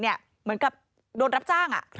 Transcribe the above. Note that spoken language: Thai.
เหมือนกับโดนรับจ้าง